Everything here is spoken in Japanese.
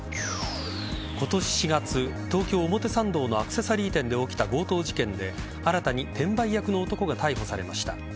今年４月、東京・表参道のアクセサリー店で起きた強盗事件で新たに転売役の男が逮捕されました。